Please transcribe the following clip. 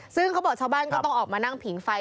ซึ่งเขาบอกชาวบ้านก็ต้องออกมานั่งผิงไฟ